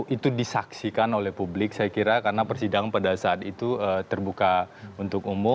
itu disaksikan oleh publik saya kira karena persidangan pada saat itu terbuka untuk umum